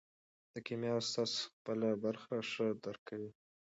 د کیمیا استاد خپله برخه ښه درک کوي.